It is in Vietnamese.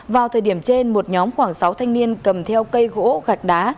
vào thời điểm trên một nhóm khoảng sáu thanh niên cầm theo cây gỗ gạt đá